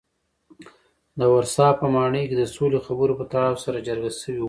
د ورسا په ماڼۍ کې د سولې خبرو په تړاو سره جرګه شوي وو.